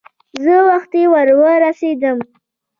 زه وختي ور ورسېدم.